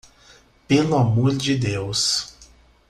Pelo amor de Deus